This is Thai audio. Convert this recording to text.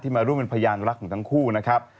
มาร่วมเป็นพยานรักของทั้งคู่นะครับ